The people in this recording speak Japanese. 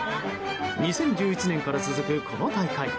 ２０１１年から続くこの大会。